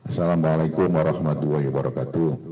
assalamualaikum warahmatullahi wabarakatuh